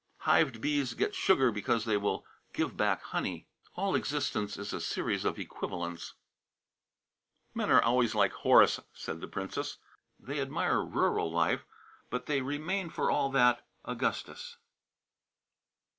"Hived bees get sugar because they will give back honey. All existence is a series of equivalents." "'Men are always like Horace,' said the Princess. 'They admire rural life, but they remain, for all that, with Augustus.'"